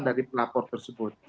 dari pelapor tersebut